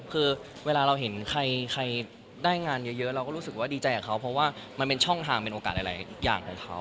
คือเวลาเราเห็นใครได้งานเยอะเราก็รู้สึกว่าดีใจกับเขาเพราะว่ามันเป็นช่องทางเป็นโอกาสหลายอย่างของเขา